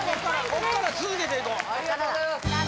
こっから続けていこうさあ